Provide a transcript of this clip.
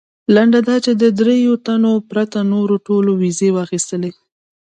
لنډه دا چې د درېیو تنو پرته نورو ټولو ویزې واخیستلې.